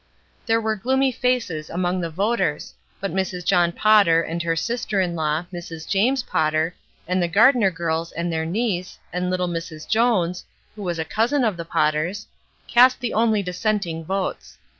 There were gloomy faces among the voters, but Mrs. John Potter, and her sister in law, Mrs. James Potter, and the Gardner girls and their niece, and little Mrs. Jones, who was a cousin of the Potters, cast the only dissenting votes.